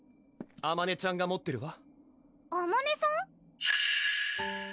あまねちゃんが持ってるわあまねさん？